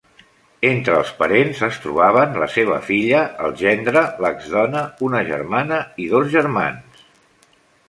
Entre els parents es trobaven la seva filla, el gendre, l'exdona, una germana i dos germans.